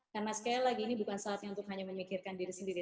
karena sekarang ini bukan saatnya untuk hanya memikirkan diri sendiri